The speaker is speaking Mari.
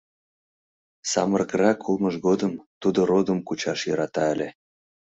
Самырыкрак улмыж годым тудо родым кучаш йӧрата ыле.